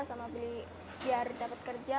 sama beli biar dapat kerja